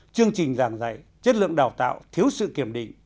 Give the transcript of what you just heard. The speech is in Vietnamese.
chương trình giảng dạy chất lượng đào tạo thiếu sự kiểm định